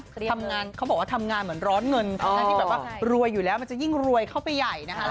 ทำงานเขาบอกว่าทำงานเหมือนร้อนเงินทั้งที่แบบว่ารวยอยู่แล้วมันจะยิ่งรวยเข้าไปใหญ่นะคะ